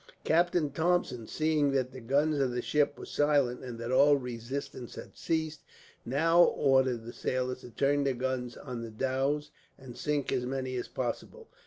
Captain Thompson, seeing that the guns of the ship were silent, and that all resistance had ceased, now ordered the sailors to turn their guns on the dhows and sink as many as possible.